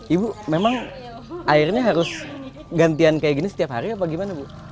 ibu memang airnya harus gantian kayak gini setiap hari apa gimana bu